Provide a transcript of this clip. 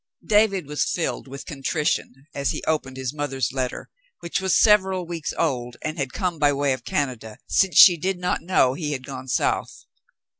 '* David was filled with contrition as he opened his mother's letter, which was several weeks old and had come by way of Canada, since she did not know he had gone South.